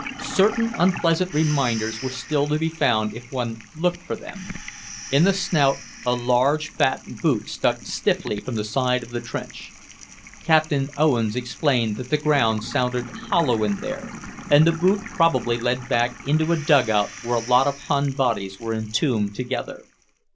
Certain unpleasant reminders were still to be found if one looked for them. In the Snout a large fat boot stuck stiffly from the side of the trench. Captain Ovens explained that the ground sounded hollow in there, and the boot probably led back into a dugout where a lot of Hun bodies were entombed together.